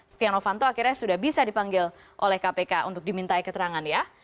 setia novanto akhirnya sudah bisa dipanggil oleh kpk untuk dimintai keterangan ya